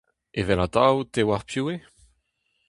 Evelato te oar piv eo ?